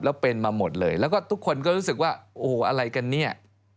แล้วเป็นมาหมดเลยแล้วก็ทุกคนก็รู้สึกว่าโอ้โหอะไรกันเนี่ย